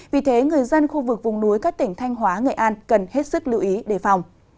vì thế người dân khu vực vùng núi các tỉnh thanh hóa nghệ an cần hết sức lưu ý đề phòng